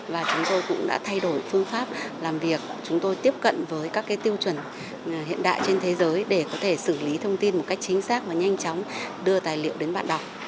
và chúng tôi cũng đã thay đổi phương pháp làm việc chúng tôi tiếp cận với các tiêu chuẩn hiện đại trên thế giới để có thể xử lý thông tin một cách chính xác và nhanh chóng đưa tài liệu đến bạn đọc